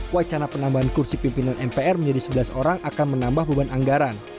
wacana penambahan kursi pimpinan mpr menjadi sebelas orang akan menambah beban anggaran